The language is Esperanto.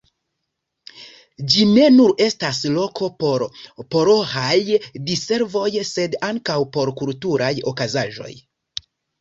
Ĝi ne nur estas loko por paroĥaj diservoj, sed ankaŭ por kulturaj okazaĵoj.